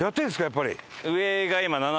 やっぱり。